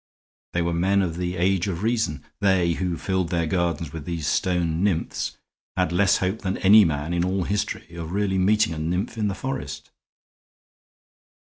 They were men of the age of Reason; they, who filled their gardens with these stone nymphs, had less hope than any men in all history of really meeting a nymph in the forest."